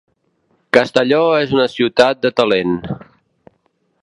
Castelló és una ciutat de talent.